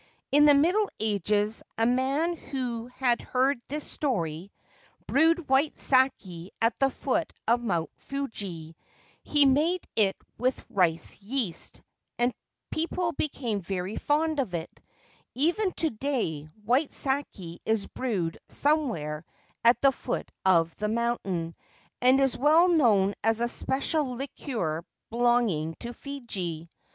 In the Middle Ages a man who had heard this story 243 Ancient Tales and Folklore of Japan brewed white sake at the foot of Mount Fuji ; he made it with rice yeast, and people became very fond of it. Even to day white sake is brewed somewhere at the foot of the mountain, and is well known as a special liquor belonging to Fuji.